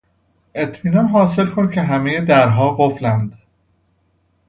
اطمینان حاصل کن که همهی درها قفلاند.